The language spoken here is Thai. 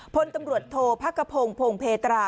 พลตำรวจโทษพระกระพงศ์พงเพตรา